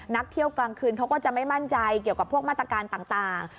นักเที่ยวกลางคืนเขาก็จะไม่มั่นใจเกี่ยวกับพวกมาตรการต่าง